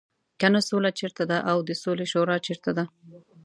کنه سوله چېرته ده او د سولې شورا چېرته ده.